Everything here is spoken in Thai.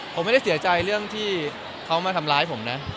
ผมไม่ได้เสียใจเรื่องที่เขามาทำร้ายผมนะ